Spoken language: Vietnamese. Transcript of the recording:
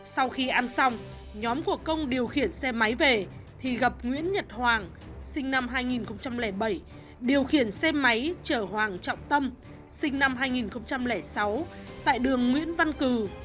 sau khi ăn xong nhóm của công điều khiển xe máy về thì gặp nguyễn nhật hoàng sinh năm hai nghìn bảy điều khiển xe máy chở hoàng trọng tâm sinh năm hai nghìn sáu tại đường nguyễn văn cử